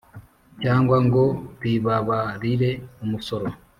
cyangwa ngo ribabarire umusore.